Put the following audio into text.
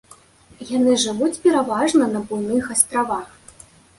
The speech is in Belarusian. Яны жывуць пераважна на буйных астравах.